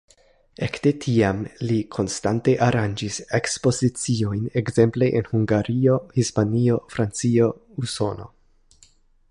Ekde tiam li konstante aranĝis ekspoziciojn ekzemple en Hungario, Hispanio, Francio, Usono.